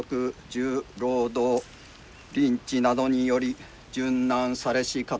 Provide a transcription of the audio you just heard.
重労働リンチなどにより殉難されし方々